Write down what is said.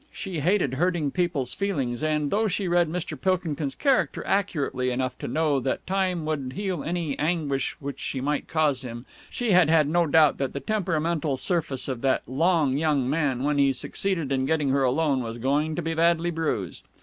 She hated hurting people's feelings, and, though she read Mr. Pilkington's character accurately enough to know that time would heal any anguish which she might cause him, she had had no doubt that the temperamental surface of that long young man, when he succeeded in getting her alone, was going to be badly bruised.